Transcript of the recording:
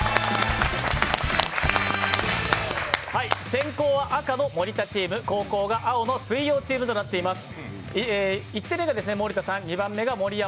先攻は赤の森田チーム後攻が青の水曜日チームとなっています。